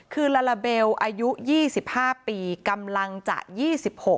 คือลาลาเบลอายุ๒๕ปีกำลังจะ๒๖